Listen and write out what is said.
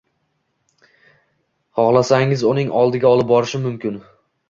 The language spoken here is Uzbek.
Xohlasngiz uning oldiga olib borishim mumkin